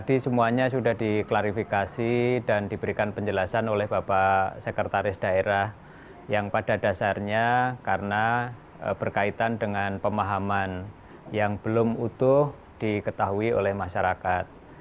tadi semuanya sudah diklarifikasi dan diberikan penjelasan oleh bapak sekretaris daerah yang pada dasarnya karena berkaitan dengan pemahaman yang belum utuh diketahui oleh masyarakat